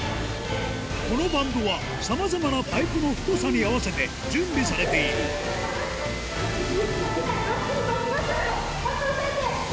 このバンドはさまざまなパイプの太さに合わせて準備されているもっと押さえて！